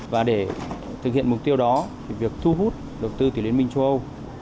và để thực hiện mục tiêu đó việc thu hút đầu tư tỷ liên minh châu âu